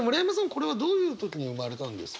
これはどういう時に生まれたんですか？